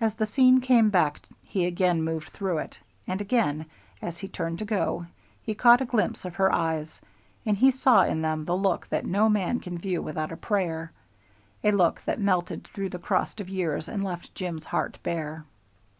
As the scene came back he again moved through it, and again, as he turned to go, he caught a glimpse of her eyes, and he saw in them the look that no man can view without a prayer, a look that melted through the crust of years and left Jim's heart bare.